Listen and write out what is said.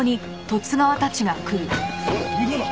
おい向こうだ！